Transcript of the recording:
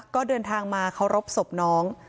ก็เดินทางมาเคารพศพน้อง